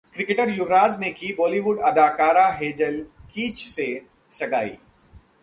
cricketer Yuvraj Singh ने की बॉलीवुड अदाकारा हेजल कीच से सगाई